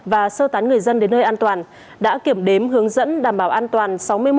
và sơ tán người dân đến nơi an toàn đã kiểm đếm hướng dẫn đảm bảo an toàn